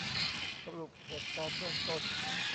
สรุปเหตุการณ์เบื้องต้น